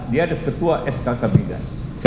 dia ketua skk pindas